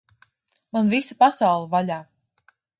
Man visa pasaule vaļā!